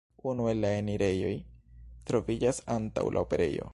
Unu el la enirejoj troviĝas antaŭ la operejo.